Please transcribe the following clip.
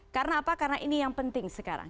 karena apa karena ini yang penting sekarang